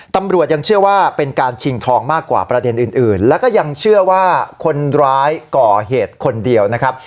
ตำรวจยังเชื่อว่าเป็นการชิงทองมากกว่าประเด็นอื่นแล้วก็ยังเชื่อว่าคนร้ายก่อเหตุคนเดียวนะครับ